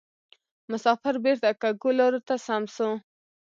مسافر بیرته کږو لارو ته سم سو